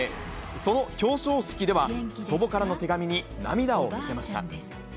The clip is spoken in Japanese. その表彰式では、祖母からの手紙に涙を見せました。